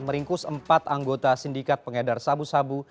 meringkus empat anggota sindikat pengedar sabu sabu